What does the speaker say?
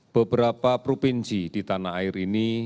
beberapa provinsi di tanah air ini